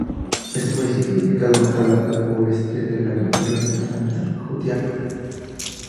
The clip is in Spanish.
Es un municipio ubicado al lado oeste de la cabecera departamental Jutiapa.